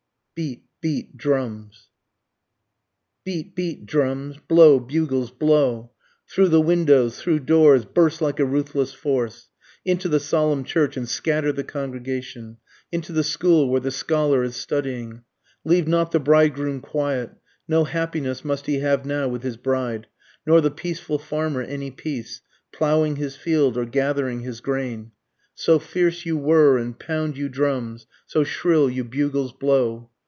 BEAT! BEAT! DRUMS! Beat! beat! drums! blow! bugles! blow! Through the windows through doors burst like a ruthless force, Into the solemn church, and scatter the congregation, Into the school where the scholar is studying; Leave not the bridegroom quiet no happiness must he have now with his bride, Nor the peaceful farmer any peace, ploughing his field or gathering his grain, So fierce you whirr and pound you drums so shrill you bugles blow.